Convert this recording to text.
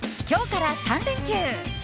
今日から３連休。